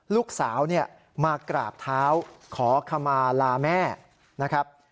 ลูกสาวมากราบเท้าขอขมาลาแม่นะครับ